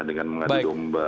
dengan mengadu domba